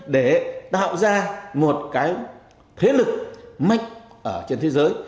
để tạo ra một cái thế lực mạnh ở trên thế giới